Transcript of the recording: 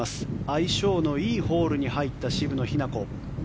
相性のいいホールに入った渋野日向子。